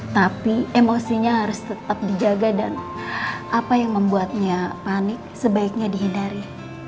tapi emosinya harus tetap dijaga dan apa yang membuatnya panik sebaiknya dihindari